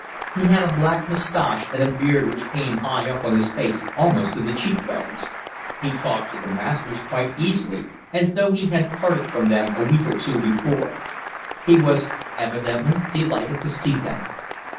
He had a black moustache and a beard which came high up on his face almost to the cheek bones, He talked to the masters quite easily, as though he had parted from them a week or two before; he was evidently delighted to see them.